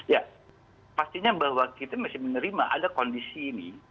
ya pastinya bahwa kita masih menerima ada kondisi ini